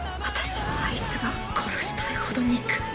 私はあいつが殺したいほど憎い。